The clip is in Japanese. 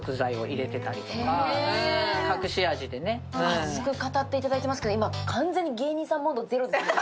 熱く語っていただいていますけど、今、完全に芸人さんモードゼロですね。